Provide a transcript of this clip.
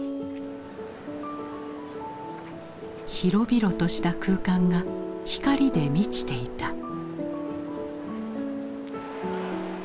広々とした空間が光で満ちていた。